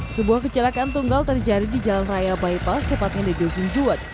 sebuah kecelakaan tunggal terjadi di jalan raya bypass tepatnya di dusun juwet